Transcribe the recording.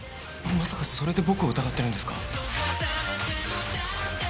まさかそれで僕を疑ってるんですか。